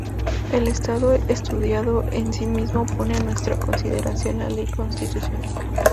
El Estado, estudiado en sí mismo, pone a nuestra consideración la ley constitucional.